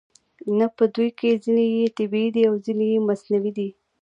نه په دوی کې ځینې یې طبیعي دي او ځینې یې مصنوعي دي